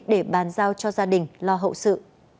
để bàn giao cho gia đình lo hậu sự